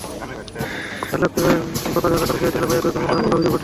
শ্যালককে বকাঝকা করে শেষে দুলাভাইও একই কর্ম করেন বলে অভিযোগ ওঠে।